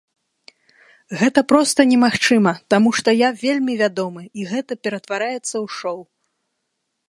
Гэта проста немагчыма, таму што я вельмі вядомы, і гэта ператвараецца ў шоў.